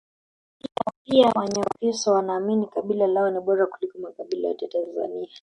pia wanyakyusa Wanaamini kabila lao ni bora kuliko makabila yote Tanzania